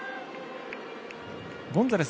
ゴンザレス